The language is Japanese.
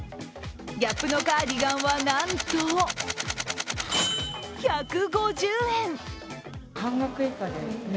ＧＡＰのカーディガンはなんと、１５０円